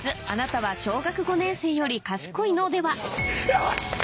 あなたは小学５年生より賢いの？』ではよし！